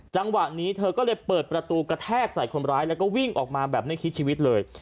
จังหวะนี้เธอก็เลยเปิดประตูกระแทกใส่คนร้ายแล้วก็วิ่งออกมาแบบไม่คิดชีวิตเลย